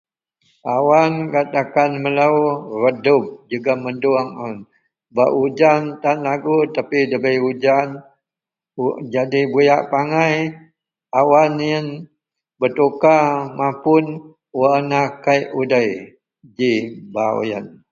awan gak takan melou redup jegum mendung un, bak ujan tan lagu tapi debei ujan, jadi buyak pangai awan ien bertukar mapun warna kek udei ji baaw ien